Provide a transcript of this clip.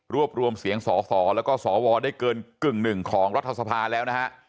รวมรวมเสียงสอสอแล้วก็สวได้เกินกึ่งหนึ่งของรัฐสภาแล้วนะฮะ